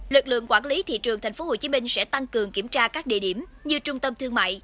lực lượng quản lý thị trường tp hcm sẽ tăng cường kiểm tra các địa điểm như trung tâm thương mại